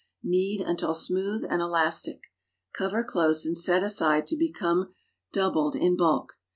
Knead until smooth and elastic. ('o\'cr close anil set aside to become (hudilcd in bidk.